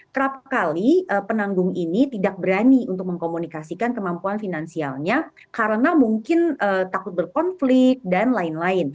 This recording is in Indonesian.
kerap kali penanggung ini tidak berani untuk mengkomunikasikan kemampuan finansialnya karena mungkin takut berkonflik dan lain lain